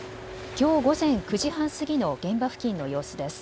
きょう午前９時半過ぎの現場付近の様子です。